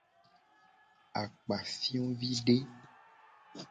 Akpafiovide.